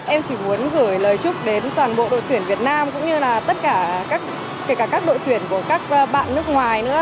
em chỉ muốn gửi lời chúc đến toàn bộ đội tuyển việt nam cũng như là tất cả kể cả các đội tuyển của các bạn nước ngoài nữa